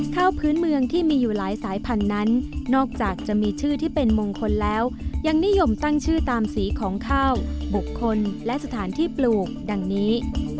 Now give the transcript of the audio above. ข้าวพื้นเมืองที่มีอยู่หลายสายพันธุ์นั้นนอกจากจะมีชื่อที่เป็นมงคลแล้วยังนิยมตั้งชื่อตามสีของข้าวบุคคลและสถานที่ปลูกดังนี้